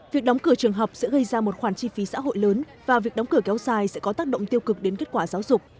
việc đóng cửa trường học sẽ gây ra một khoản chi phí xã hội lớn và việc đóng cửa kéo dài sẽ có tác động tiêu cực đến kết quả giáo dục